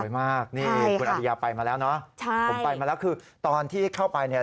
มากนี่คุณอริยาไปมาแล้วเนอะใช่ผมไปมาแล้วคือตอนที่เข้าไปเนี่ย